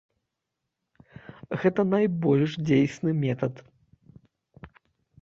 Гэта найбольш дзейсны метад.